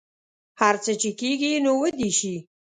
هر څه چې کیږي نو ودې شي